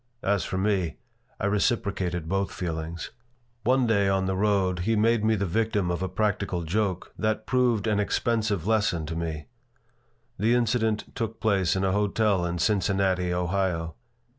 As for me, I reciprocated both feelings One day, on the road, he made me the victim of a practical joke that proved an expensive lesson to me. The incident took place in a hotel in Cincinnati, Ohio.